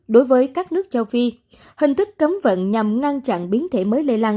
đối với các nước châu phi hình thức cấm vận nhằm ngăn chặn biến thể mới lây lan